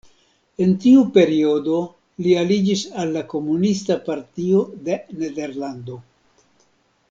En tiu periodo li aliĝis al la Komunista Partio de Nederlando.